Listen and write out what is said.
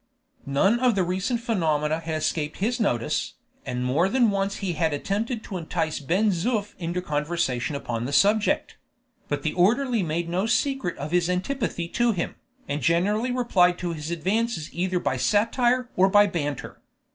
None of the recent phenomena had escaped his notice, and more than once he had attempted to entice Ben Zoof into conversation upon the subject; but the orderly made no secret of his antipathy to him, and generally replied to his advances either by satire or by banter.